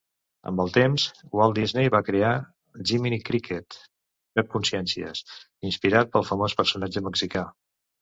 Amb el temps, Walt Disney va crear Jiminy Cricket (Pep Consciències), inspirat pel famós personatge mexicà.